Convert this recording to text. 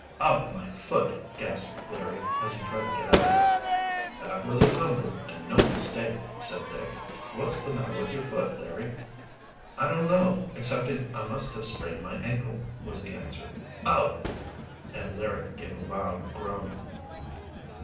"Oh, my foot!" gasped Larry, as he tried to get up. "That was a tumble and no mistake," said Dick. "What's the matter with your foot, Larry?" "I don't know, excepting I must have sprained my ankle," was the answer. "Oh!" And Larry gave a loud groan.